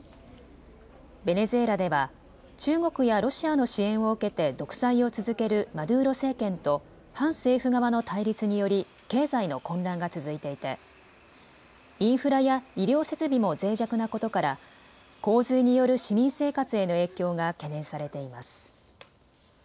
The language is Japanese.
ベネズエラでは中国やロシアの支援を受けて独裁を続けるマドゥーロ政権と反政府側の対立により経済の混乱が続いていて、インフラや医療設備もぜい弱なことから洪水による市民生活への影響が懸念されています。